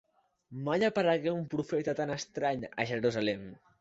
Mai aparegué un profeta tan estrany a Jerusalem.